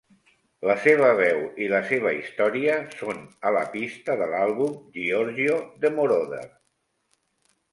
La seva veu i la seva història són a la pista de l'àlbum "Giorgio de Moroder".